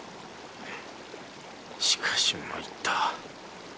しかしまいった